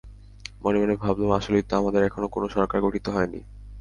মনে মনে ভাবলাম, আসলেই তো, আমাদের এখনো কোনো সরকার গঠিত হয়নি।